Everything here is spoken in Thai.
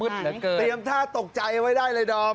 เตรียมท่าตกใจไว้ได้เลยดอม